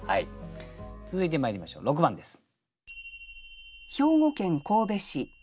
続いてまいりましょう６番です。